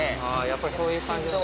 やっぱりそういう感じ